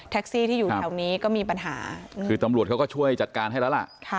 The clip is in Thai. ซี่ที่อยู่แถวนี้ก็มีปัญหาคือตำรวจเขาก็ช่วยจัดการให้แล้วล่ะ